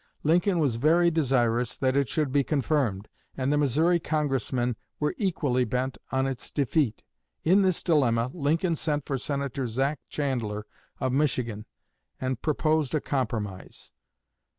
Lincoln was very desirous that it should be confirmed, and the Missouri Congressmen were equally bent on its defeat. In this dilemma, Lincoln sent for Senator Zack Chandler of Michigan, and proposed a compromise.